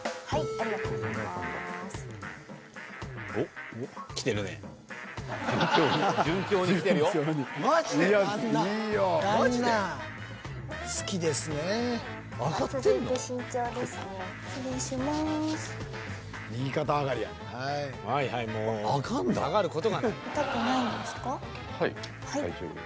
はい。